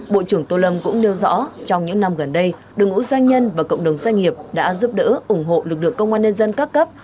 bộ trưởng tô lâm cũng nêu rõ trong những năm gần đây đội ngũ doanh nhân và cộng đồng doanh nghiệp đã giúp đỡ ủng hộ lực lượng công an nhân dân các cấp